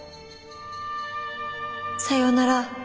さようなら